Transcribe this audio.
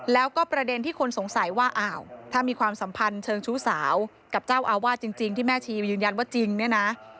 แล้วก็ประเด็นที่คนสงสัยว่าอ้าวถ้ามีความสัมพันธ์เชิงชู้สาวกับเจ้าอาวาสจริงที่แม่ชียืนยันว่าจริงเนี่ยนะ